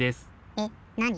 えっなに？